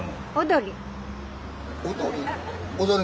踊り？